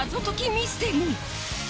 ミステリー